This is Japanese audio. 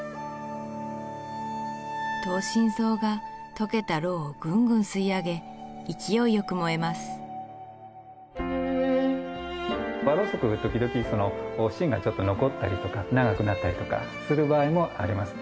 灯心草が溶けたロウをぐんぐん吸い上げ勢いよく燃えます和ろうそくは時々芯がちょっと残ったりとか長くなったりとかする場合もあります